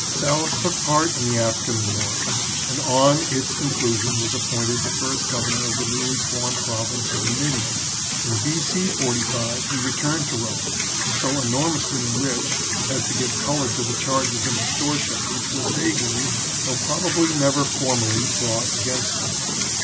Sallust took part in the African war, and on its con clusion was appointed the first governor of the newly X NOTE ON SALLUST. formed province of Numidia. In B.C. 45 he returned to Rome, so enormously enriched as to give colour to the charges of extortion which were vaguely, though probably never formally, brought against him.